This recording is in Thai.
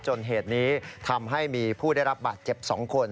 เหตุนี้ทำให้มีผู้ได้รับบาดเจ็บ๒คน